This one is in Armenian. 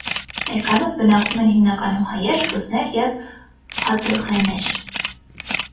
Ներկայումս բնակվում են հիմնականում հայեր, ռուսներ և ադըղեներ։